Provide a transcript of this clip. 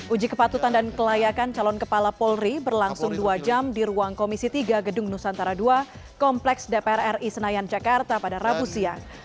uji kepatutan dan kelayakan calon kepala polri berlangsung dua jam di ruang komisi tiga gedung nusantara ii kompleks dpr ri senayan jakarta pada rabu siang